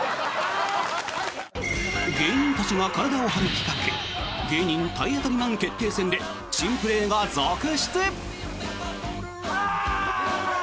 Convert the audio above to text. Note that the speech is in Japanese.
芸人たちが体を張る企画芸人体当たりマン決定戦で珍プレーが続出。